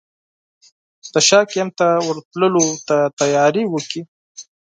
د شاه کمپ ته ورتللو ته تیاري وکړي.